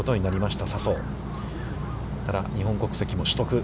ただ、日本国籍も取得。